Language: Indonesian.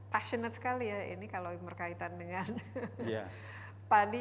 passionate sekali ya ini kalau berkaitan dengan padi